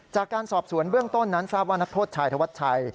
จากการสอบสวนเบื้องต้นนั้นทราบว่านักโทษชายธวัชชัย